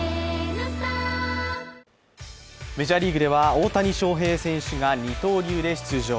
メジャーリーグでは大谷翔平選手が二刀流で出場。